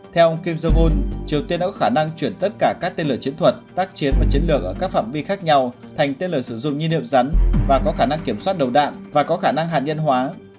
theo ông kim jong un triều tiên đã khả năng chuyển tất cả các tên lửa chiến thuật tác chiến và chiến lược ở các phạm vi khác nhau thành tên lửa sử dụng nhiên liệu rắn và có khả năng kiểm soát đầu đạn và có khả năng hạt nhân hóa